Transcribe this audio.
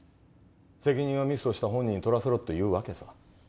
責任はミスをした本人にとらせろっていうわけさ